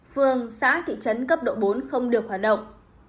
phường xã thị trấn cấp độ bốn không được hoạt động